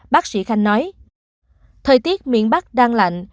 bác sĩ khanh nói thời tiết miền bắc đang lạnh